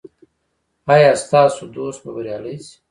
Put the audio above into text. ایا ستاسو دوست به بریالی شي؟